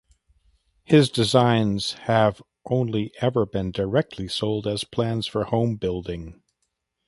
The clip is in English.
His designs have only ever been directly sold as plans for homebuilding.